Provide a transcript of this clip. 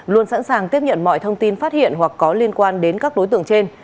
luôn sẵn sàng tiếp nhận mọi thông tin phát hiện hoặc có liên quan đến các đối tượng trên